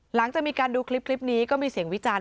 หลังจากมีการดูคลิปนี้ก็มีเสียงวิจารณ